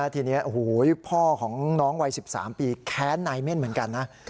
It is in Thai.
ทีนี้พ่อของน้องวัย๑๓ปีแค้นนายเม่นเหมือนกันนะ